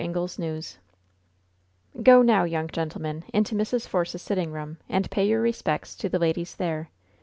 INGLE'S NEWS "Go, now, young gentlemen, into Mrs. Force's sitting room, and pay your respects to the ladies there.